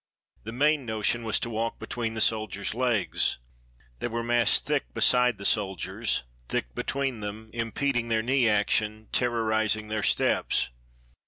The main notion was to walk between the soldiers' legs. They were massed thick beside the soldiers, thick between them, impeding their knee action, terrorizing their steps.